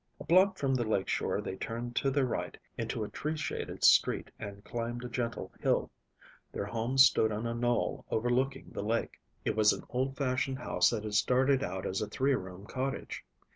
A block from the lake shore they turned to their right into a tree shaded street and climbed a gentle hill. Their home stood on a knoll overlooking the lake. It was an old fashioned house that had started out as a three room cottage.